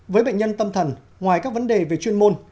với bệnh nhân tâm thần ngoài các vấn đề về chuyên môn